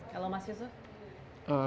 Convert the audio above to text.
kalau mas yusuf